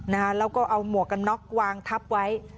แล้วก็เอาหมวกกันน็อกวางทับไว้